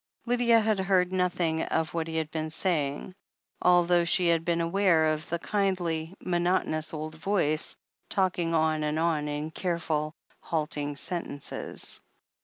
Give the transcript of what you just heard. Lydia had heard nothing of what he had been say ing, although she had been aware of the kindly, monot onous old voice, talking on and on in careful, halting sentences.